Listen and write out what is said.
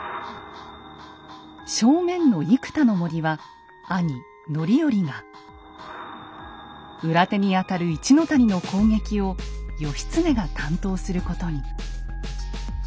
正面の生田の森は兄・範頼が裏手にあたる一の谷の攻撃を義経が担当することに。